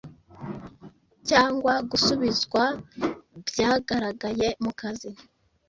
cyangwa gusubizwa byagaragaye mukazi